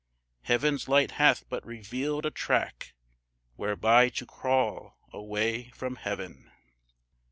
Heaven's light hath but revealed a track Whereby to crawl away from heaven.